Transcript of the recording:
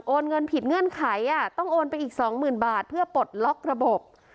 เงินผิดเงื่อนไขต้องโอนไปอีกสองหมื่นบาทเพื่อปลดล็อกระบบ